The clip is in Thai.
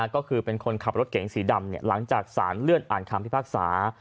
ก็คือเป็นคนขับรถเก๋งสีดำหลังจากสารเลื่อนอ่านคำพิพากษา